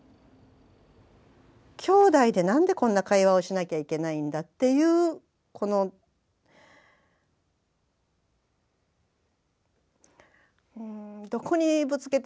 きょうだいでなんでこんな会話をしなきゃいけないんだっていうこのどこにぶつけていいか分かんない怒りというか。